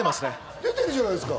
出てるじゃないですか。